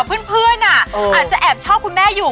เพื่อนอาจจะแอบชอบคุณแม่อยู่